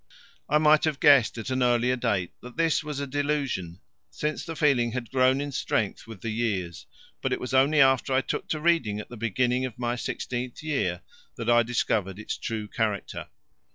I might have guessed at an earlier date that this was a delusion, since the feeling had grown in strength with the years, but it was only after I took to reading at the beginning of my sixteenth year that I discovered its true character.